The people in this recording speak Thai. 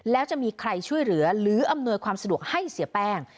แล้วจะมีใครช่วยเหลือหรืออำนวยความสะดวกให้เสียแป้ง